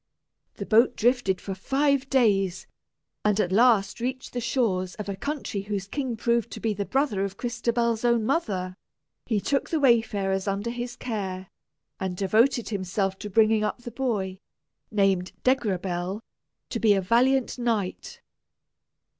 The boat drifted for five days, and at last reached the shores of a country whose king proved to be the brother of Crystabell's own mother. He took the wayfarers under his care, and devoted himself to bringing up the boy, named Degrabell, to be a valiant knight.